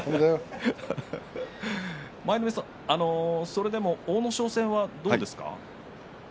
それでも阿武咲戦はどうですか。